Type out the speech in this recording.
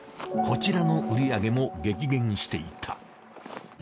こちらの売り上げも激減していた。